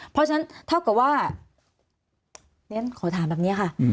เพราะฉะนั้นเท่ากับว่าเรียนขอถามแบบนี้ค่ะ